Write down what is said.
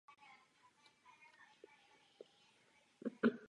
Má své představitele.